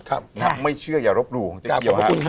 ถ้าไม่เชื่ออย่ารบหลู่ของเจ๊เกียวฮะ